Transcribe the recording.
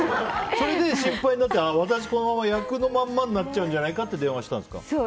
それで、心配になって役のままになっちゃうんじゃないかって電話したんですか。